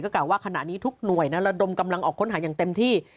ก็กล่านว่าขณะนี้ทุกหน่วยเรากำลังกำลังออกค้นหาอย่างเต็มที่